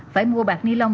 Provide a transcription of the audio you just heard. phải mua bạc ni lông